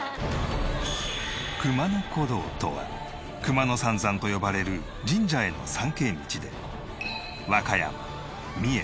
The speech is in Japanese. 熊野古道とは熊野三山と呼ばれる神社への参詣道で和歌山三重